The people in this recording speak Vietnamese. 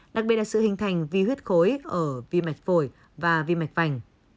đặc biệt là sự hình thành vi huyết khối ở vi mạch phổi và vi mạch vành